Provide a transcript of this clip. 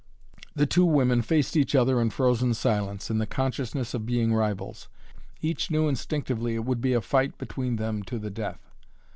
The two women faced each other in frozen silence, in the consciousness of being rivals. Each knew instinctively it would be a fight between them to the death.